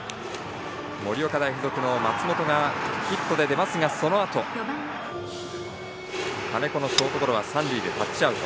盛岡大付属の松本がヒットで出ますがそのあと金子のショートゴロは三塁タッチアウト。